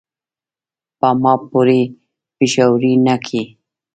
پۀ ما پورې پیشاړې نۀ کے ،